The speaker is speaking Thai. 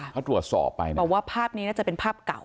เขาตรวจสอบไปนะบอกว่าภาพนี้น่าจะเป็นภาพเก่า